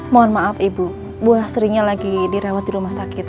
mohon maaf ibu bu astrinya lagi direwat di rumah sakit